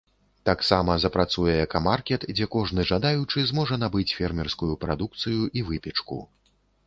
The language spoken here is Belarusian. Таксама запрацуе экамаркет, дзе кожны жадаючы зможа набыць фермерскую прадукцыю і выпечку.